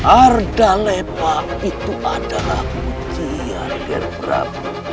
arda lema itu adalah ujian ger prabu